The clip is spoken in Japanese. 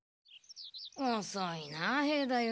おそいな兵太夫。